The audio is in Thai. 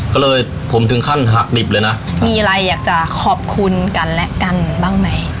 ก็เลยผมถึงขั้นหักดิบเลยนะมีอะไรอยากจะขอบคุณกันและกันบ้างไหม